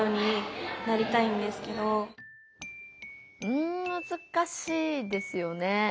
うんむずかしいですよね。